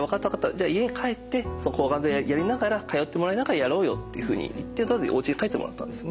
じゃあ家に帰って抗がん剤やりながら通ってもらいながらやろうよ」っていうふうに言ってとりあえずおうちへ帰ってもらったんですね。